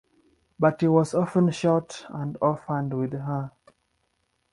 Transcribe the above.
But he was often short and offhand with her.